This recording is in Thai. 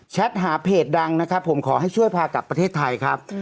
หาเพจดังนะครับผมขอให้ช่วยพากลับประเทศไทยครับ